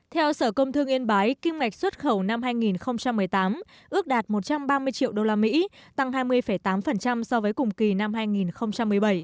theo sở công thương yên bái kim ngạch xuất khẩu năm hai nghìn một mươi tám ước đạt một trăm ba mươi triệu usd tăng hai mươi tám so với cùng kỳ năm hai nghìn một mươi bảy